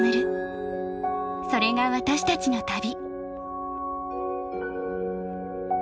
それが私たちの旅。